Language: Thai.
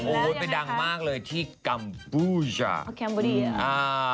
โอ้เป็นดังมากเลยที่กัมพูชา